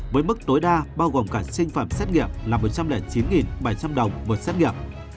với mức tối đa bao gồm cả sinh phẩm xét nghiệm là một trăm linh chín bảy trăm linh đồng một xét nghiệm